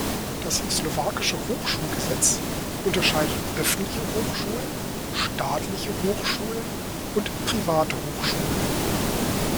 Das slowakische Hochschulgesetz unterscheidet öffentliche Hochschulen, staatliche Hochschulen und private Hochschulen.